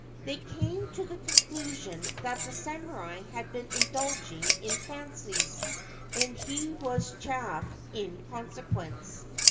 They came to the conclusion that the samurai had been indulging in fancies, and he was chaffed in consequence.